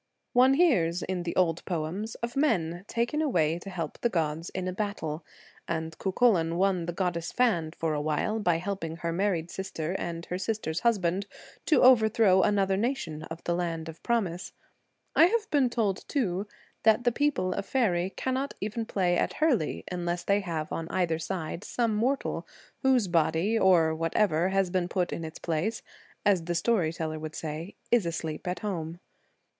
One hears in the old poems of men taken away to help the gods in a battle, and Cuchullan won the goddess Fand for a while, by helping her married sister and her sister's husband to overthrow another nation of the Land of Promise. I have been told, too, that the people of faery cannot even play at hurley unless they have on either side some mortal, whose body, or whatever has been put in its place, as the story teller would say, is asleep at home.